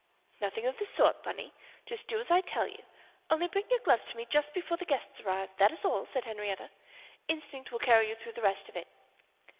"Nothing of the sort, Bunny; just do as I tell you only bring your gloves to me just before the guests arrive, that is all," said Henriette. "Instinct will carry you through the rest of it."